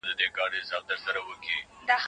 په کندهار کي واوره ډېره نه وریږي.